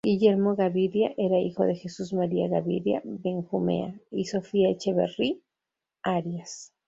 Guillermo Gaviria era hijo de Jesús María Gaviria Benjumea y Sofía Echeverri Arias.